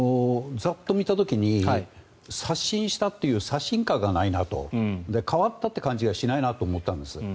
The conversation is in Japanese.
ザッと見た時に刷新したという刷新感がないなと変わったって感じがしないなと思ったんです。